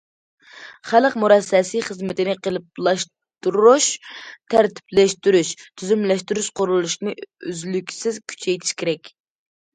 خەلق مۇرەسسەسى خىزمىتىنى قېلىپلاشتۇرۇش، تەرتىپلەشتۈرۈش، تۈزۈملەشتۈرۈش قۇرۇلۇشىنى ئۈزلۈكسىز كۈچەيتىش كېرەك.